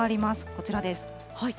こちらです。